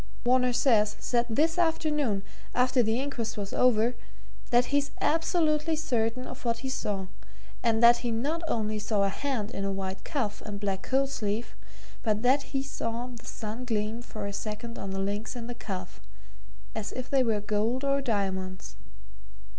Varner says said this afternoon, after the inquest was over that he's absolutely certain of what he saw, and that he not only saw a hand in a white cuff and black coat sleeve, but that he saw the sun gleam for a second on the links in the cuff, as if they were gold or diamonds.